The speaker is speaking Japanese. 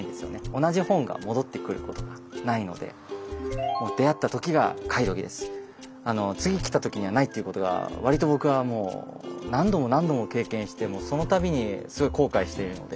同じ本が戻ってくることがないので次来た時にはないっていうことが割と僕は何度も何度も経験してそのたびにすごい後悔しているので。